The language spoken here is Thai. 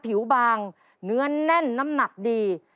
ผิวบางเนื้อแน่นน้ำหนักดี